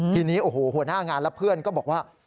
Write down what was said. ทีนี้โอ้โหหัวหน้างานและเพื่อนก็บอกว่า